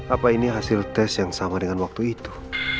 apa ini hasil tes yang sama dengan waktu itu